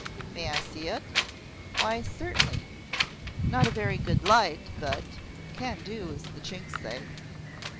"May I see it?" "Why certainly. Not a very good light, but can do," as the Chinks say.